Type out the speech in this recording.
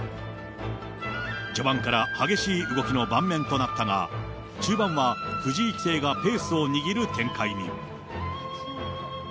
序盤から激しい動きの盤面となったが、中盤は藤井棋聖がペースを握る展開に。